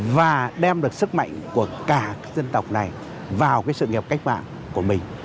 và đem được sức mạnh của cả dân tộc này vào cái sự nghiệp cách mạng của mình